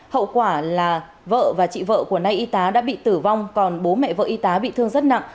hậu quả là vợ và chị vợ của nay y tá đã bị tử vong còn bố mẹ vợ y tá bị thương rất nặng